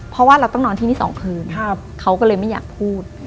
เพราะว่าเราต้องนอนที่นี่๒คืนเขาก็เลยไม่อยากพูด